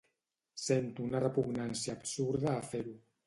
Sento una repugnància absurda a fer-ho.